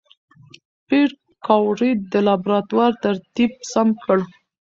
پېیر کوري د لابراتوار ترتیب سم کړ.